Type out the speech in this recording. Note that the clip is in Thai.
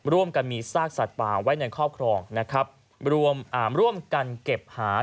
ร่วมกันมีซากสัตว์ป่าไว้ในครอบครองนะครับรวมอ่าร่วมกันเก็บหา